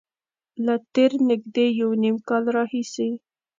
له تېر نږدې یو نیم کال راهیسې